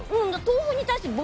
豆腐に対しての。